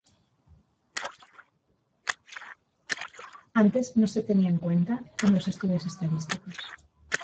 Antes no se tenía en cuenta en los estudios estadísticos.